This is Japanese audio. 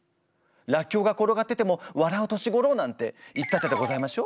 らっきょうが転がってても笑う年ごろなんて言ったでございましょう。